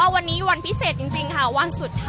อาจจะออกมาใช้สิทธิ์กันแล้วก็จะอยู่ยาวถึงในข้ามคืนนี้เลยนะคะ